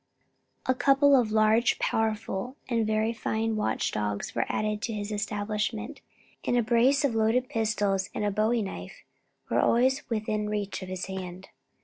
A couple of large, powerful, and very fine watch dogs were added to his establishment, and a brace of loaded pistols and a bowie knife were always within reach of his hand.